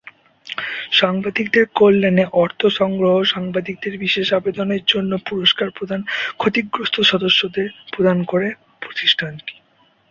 সাংবাদিকদের কল্যাণে অর্থ সংগ্রহ, সাংবাদিকদের বিশেষ অবদানের জন্য পুরস্কার প্রদান, ক্ষতিগ্রস্ত সদস্যদের প্রদান করে প্রতিষ্ঠানটি।